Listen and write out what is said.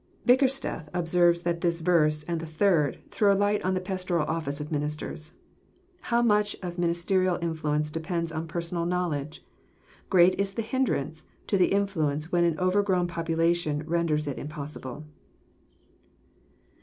Bickersteth observes that this verse, and the third, throw light on the pastoral office of ministers. *< How much of ministerial Influence depends on personal knowledge I Great is the hindrance to the Influence when an overgrown population renders it impos sible."